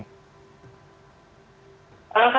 kalau kami sudah lakukan